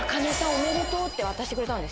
おめでとうって渡してくれたんですよ。